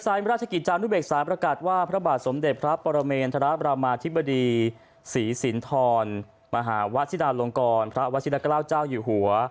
ราชกิจจานุเบกษาประกาศว่าพระบาทสมเด็จพระปรเมนธรบรามาธิบดีศรีสินทรมหาวชิดาลงกรพระวชินเกล้าเจ้าอยู่หัว